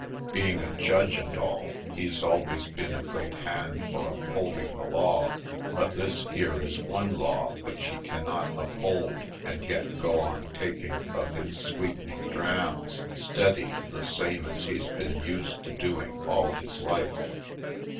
Being a judge and all, he's always been a great hand for upholding the law. But this here is one law which he cannot uphold and yet go on taking of his sweetening drams steady the same as he's been used to doing all his life.